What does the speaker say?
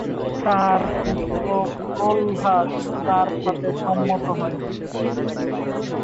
তার পুত্র প্রহ্লাদ তার সাথে সম্মত হয়নি।